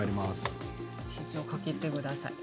チーズをかけてください。